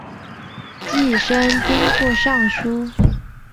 继升兵部尚书。